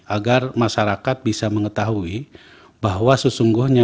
agar masyarakat bisa mengetahui bahwa sesungguhnya